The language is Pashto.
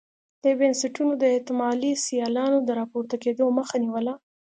دې بنسټونو د احتمالي سیالانو د راپورته کېدو مخه نیوله.